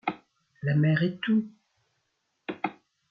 La mer est tout !